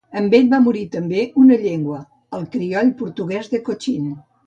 Amb ell va morir també una llengua: el crioll portuguès de Cochin.